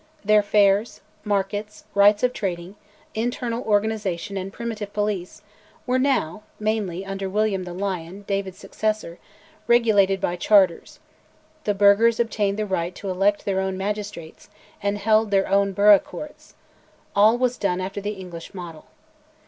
Their fairs, markets, rights of trading, internal organisation, and primitive police, were now, mainly under William the Lion, David's successor, regulated by charters; the burghers obtained the right to elect their own magistrates, and held their own burgh courts; all was done after the English model.